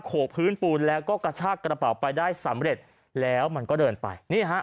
กพื้นปูนแล้วก็กระชากระเป๋าไปได้สำเร็จแล้วมันก็เดินไปนี่ฮะ